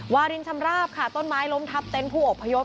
วารินชำราบค่ะต้นไม้ล้มทับเต็นต์ผู้อบพยพ